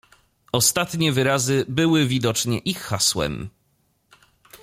"Ostatnie wyrazy były widocznie ich hasłem."